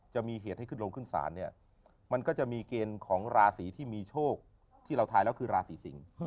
จะมีเหตุให้ขึ้นลงขึ้นศาลเนี่ยมันก็จะมีเกณฑ์ของราศีที่มีโชคที่เราทายแล้วคือราศีสิง